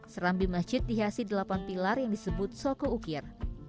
serambi masjid dihiasi delapan pilar yang disebut soko ukir